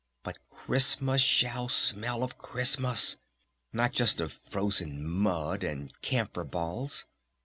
But Christmas shall smell of Christmas! Not just of frozen mud! And camphor balls!...